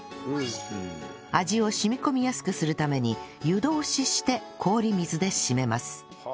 味を染み込みやすくするために湯通しして氷水で締めます